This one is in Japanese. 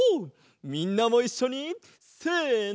みんなもいっしょにせの！